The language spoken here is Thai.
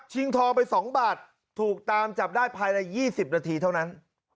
ทองไป๒บาทถูกตามจับได้ภายใน๒๐นาทีเท่านั้น